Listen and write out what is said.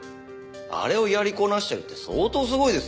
あれをやりこなしてるって相当すごいですよ。